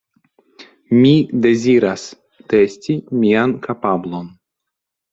Mi deziras testi mian kapablon.